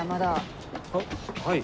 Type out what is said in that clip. はい。